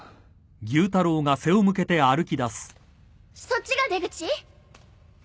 そっちが出口？